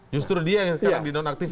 justru dia yang sekarang dinonaktifkan